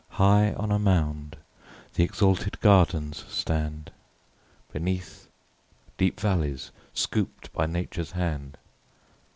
High on a mound th' exalted gardens stand, Beneath, deep valleys, scoop'd by Nature's hand.